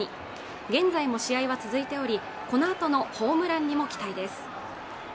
現在も試合は続いておりこのあとのホームランにも期待です